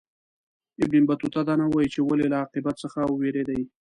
ابن بطوطه دا نه وايي چې ولي له عاقبت څخه ووېرېدی.